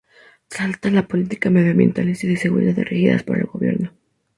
Trata las políticas medioambientales y de seguridad regidas por el gobierno.